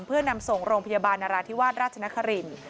เพื่อนำส่งโรงพยาบาลนราธิวาสราชนครินทร์